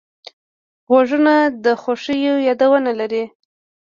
غوږونه د خوښیو یادونه لري